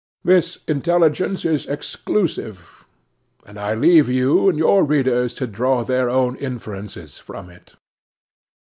This intelligence is exclusive; and I leave you and your readers to draw their own inferences from it.